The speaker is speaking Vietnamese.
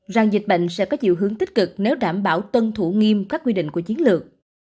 rằng dịch bệnh sẽ có chiều hướng tích cực nếu đảm bảo tuân thủ nghiêm các quy định của chiến lược